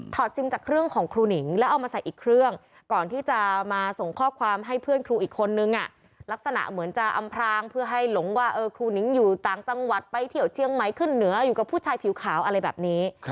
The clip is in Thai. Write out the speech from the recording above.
ซิมจากเครื่องของครูหนิงแล้วเอามาใส่อีกเครื่องก่อนที่จะมาส่งข้อความให้เพื่อนครูอีกคนนึงลักษณะเหมือนจะอำพรางเพื่อให้หลงว่าครูหนิงอยู่ต่างจังหวัดไปเที่ยวเชียงใหม่ขึ้นเหนืออยู่กับผู้ชายผิวขาวอะไรแบบนี้